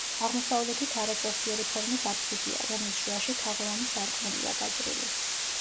აღმოსავლეთით არაწესიერი ფორმის აფსიდია, რომლის შუაში თაღოვანი სარკმელია გაჭრილი.